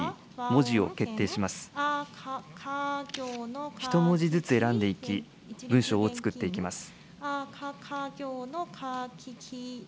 １文字ずつ選んでいき、文章を作っていきます。